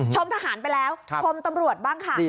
ทหารไปแล้วชมตำรวจบ้างค่ะ